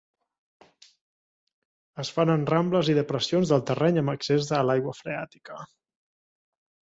Es fan en rambles i depressions del terreny amb accés a l'aigua freàtica.